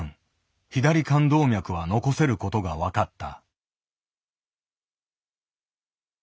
左肝動脈は残せることが分かった。